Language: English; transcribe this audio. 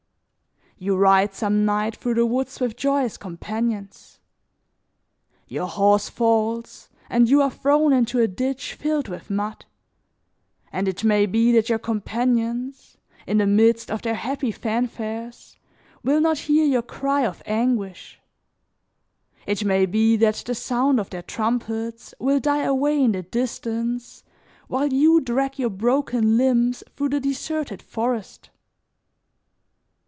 You ride some night through the woods with joyous companions; your horse falls and you are thrown into a ditch filled with mud, and it may be that your companions, in the midst of their happy fanfares, will not hear your cry of anguish; it may be that the sound of their trumpets will die away in the distance while you drag your broken limbs through the deserted forest.